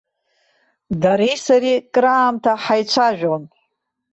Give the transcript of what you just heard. Дареи сареи краамҭа ҳаицәажәон.